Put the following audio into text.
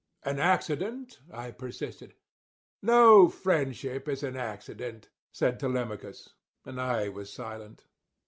"An accident?" I persisted. "No friendship is an accident," said Telemachus; and I was silent.